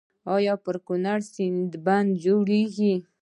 آیا پر کنړ سیند بند جوړیږي؟